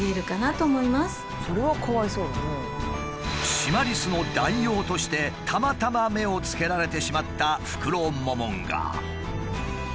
シマリスの代用としてたまたま目をつけられてしまったフクロモモンガ。